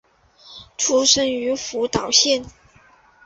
出身于福岛县。